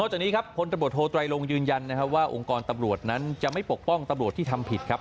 จากนี้ครับพลตำรวจโทไตรลงยืนยันนะครับว่าองค์กรตำรวจนั้นจะไม่ปกป้องตำรวจที่ทำผิดครับ